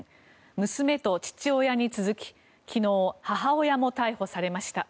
娘と父親に続き昨日、母親も逮捕されました。